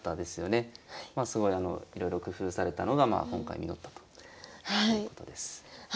すごいいろいろ工夫されたのが今回実ったということです。